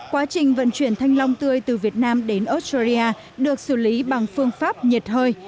quá trình vận chuyển thanh long tươi từ việt nam đến australia được xử lý bằng phương pháp nhiệt hơi